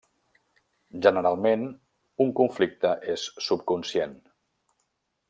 Generalment un conflicte és subconscient.